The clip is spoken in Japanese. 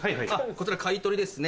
こちら買い取りですね。